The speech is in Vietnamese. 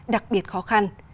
đặc biệt khó khăn